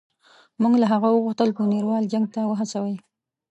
موږ له هغه وغوښتل بونیروال جنګ ته وهڅوي.